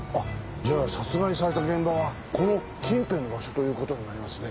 じゃあ殺害された現場はこの近辺の場所という事になりますね。